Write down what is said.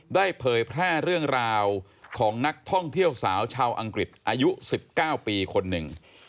เผยแพร่เรื่องราวของนักท่องเที่ยวสาวชาวอังกฤษอายุ๑๙ปีคนหนึ่ง